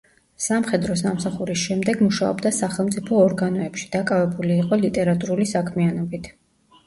სამხედრო სამსახურის შემდეგ მუშაობდა სახელმწიფო ორგანოებში, დაკავებული იყო ლიტერატურული საქმიანობით.